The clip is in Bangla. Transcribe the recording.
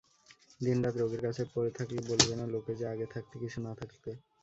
দিনরাত রোগীর কাছে পড়ে থাকলে বলবে না লোকে যে আগে থাকতে কিছু না থাকলে।